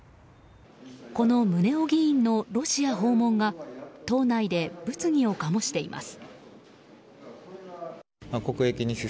この宗男議員のロシア訪問が党内で物議を醸しています。